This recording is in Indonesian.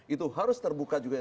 itu harus terbuka juga